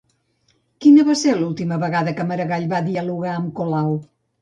Quina va ser l'última vegada que Maragall va dialogar amb Colau?